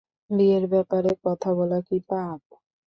বিয়ের ব্যাপারে কথা বলা কি পাপ?